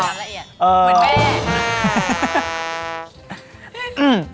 เหมือนแม่